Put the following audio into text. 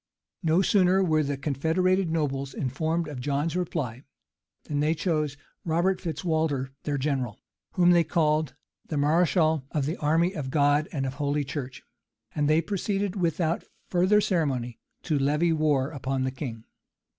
[*] No sooner were the confederated nobles informed of John's reply, than they chose Robert Fitz Walter their general, whom they called "the mareschal of the army of God and of holy church;" and they proceeded without further ceremony to levy war upon the king.